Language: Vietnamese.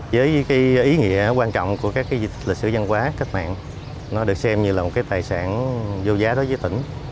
với ý nghĩa quan trọng của các di tích lịch sử văn hóa cấp mạng nó được xem như là một tài sản vô giá đó với tỉnh